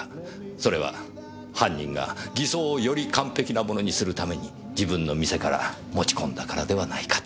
それは犯人が偽装をより完璧なものにするために自分の店から持ち込んだからではないかと。